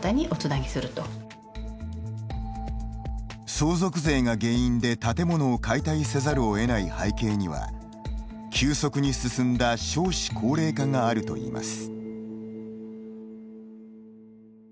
相続税が原因で、建物を解体せざるを得ない背景には急速に進んだ少子高齢化があるといいます。